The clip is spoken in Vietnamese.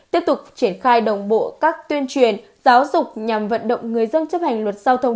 tiếp tục triển khai đồng bộ các tuyên truyền giáo dục nhằm vận động người dân chấp hành luật giao thông